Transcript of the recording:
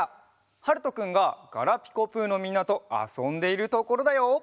はるとくんが「ガラピコぷ」のみんなとあそんでいるところだよ。